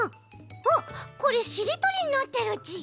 あっこれしりとりになってるち！